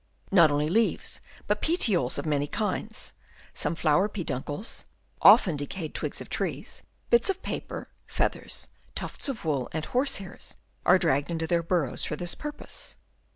Not only leaves, but petioles of many kinds, some flower pedun cles, often decayed twigs of trees, bits of paper, feathers, tufts of wool and horse hairs are dragged into their burrows for this pur pose.